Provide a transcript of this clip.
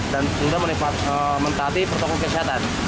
dan sudah menetapi protokol kesehatan